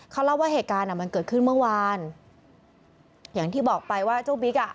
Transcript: เขาเล่าว่าเหตุการณ์อ่ะมันเกิดขึ้นเมื่อวานอย่างที่บอกไปว่าเจ้าบิ๊กอ่ะ